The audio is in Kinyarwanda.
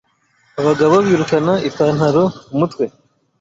Abagabo birukana ipantaro ku mutwe